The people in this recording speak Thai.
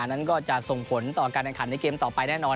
นั้นก็จะส่งผลต่อการแข่งขันในเกมต่อไปแน่นอน